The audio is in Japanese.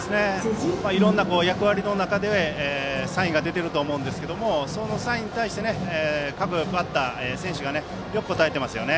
いろいろな役割の中でサインが出ていると思うんですけどそのサインに対して各バッター、選手がよく応えていますね。